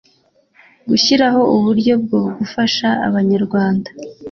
gushyiraho uburyo bwo gufasha abanyarwanda